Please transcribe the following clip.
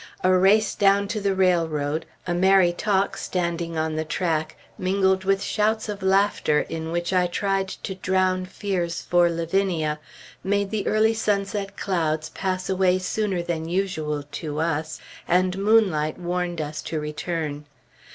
A race down to the railroad, a merry talk standing on the track mingled with shouts of laughter in which I tried to drown fears for Lavinia, made the early sunset clouds pass away sooner than usual, to us, and moonlight warned us to return.